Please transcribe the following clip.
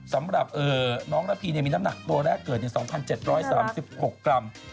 สำหรับน้องระพีมีน้ำหนักตัวแรกเกิด๒๗๓๖กรัม